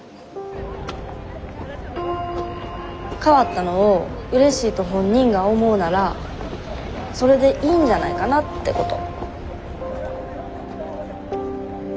変わったのをうれしいと本人が思うならそれでいいんじゃないかなってこと。